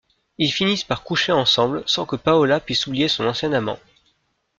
Ils finissent par coucher ensemble, sans que Paola puisse oublier son ancien amant.